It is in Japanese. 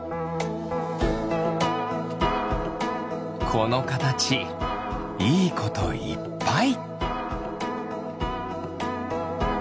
このかたちいいこといっぱい。